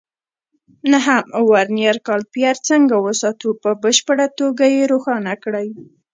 نهم: ورنیر کالیپر څنګه وساتو؟ په بشپړه توګه یې روښانه کړئ.